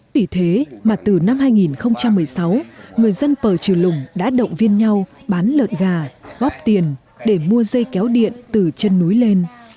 vì thế mà từ năm hai nghìn một mươi sáu người dân pờ trừ lùng đã động viên nhau bán lợn gà góp tiền để mua dây kéo điện từ chân núi lên